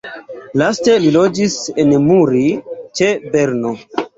Laste li loĝis en Muri ĉe Berno.